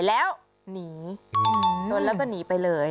แล้วหนีชนแล้วก็หนีไปเลย